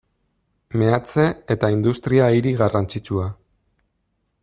Meatze eta industria hiri garrantzitsua.